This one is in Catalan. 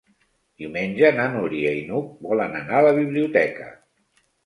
Diumenge na Núria i n'Hug volen anar a la biblioteca.